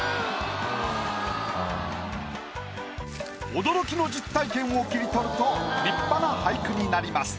驚きの実体験を切り取ると立派な俳句になります。